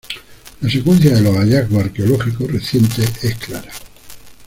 La secuencia de los hallazgos arqueológicos recientes es clara.